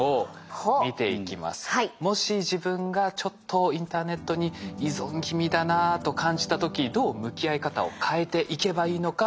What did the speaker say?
もし自分がちょっとインターネットに依存気味だなと感じた時どう向き合い方を変えていけばいいのか。